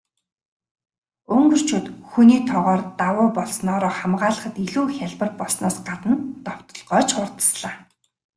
Унгарчууд хүний тоогоор давуу болсноороо хамгаалахад илүү хялбар болсноос гадна довтолгоо ч хурдаслаа.